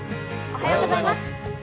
おはようございます。